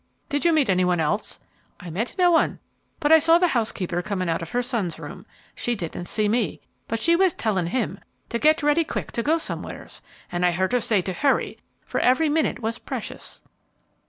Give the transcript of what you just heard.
"Did you meet any one else?" "I met no one, but I saw the housekeeper coming out of her son's room. She didn't see me; but she was telling him to get ready quick to go somewheres, and I heard her say to hurry, for every minute was precious."